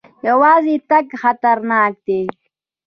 یوازې تګ خطرناک دی.